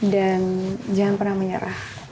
dan jangan pernah menyerah